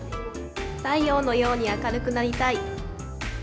「太陽のように明るくなりたい」。